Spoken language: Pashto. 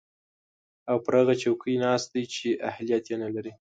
او پر هغه څوکۍ ناست دی چې اهلیت ېې نلري